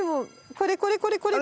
これこれこれこれ！